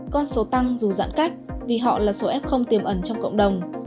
con số tăng dù giãn cách vì họ là số ép không tiềm ẩn trong cộng đồng